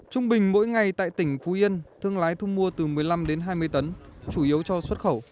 trung bình mỗi ngày tại tỉnh phú yên thương lái thu mua từ một mươi năm đến hai mươi tấn chủ yếu cho xuất khẩu